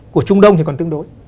của trung đông thì còn tương đối